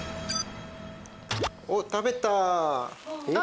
あっ食べた！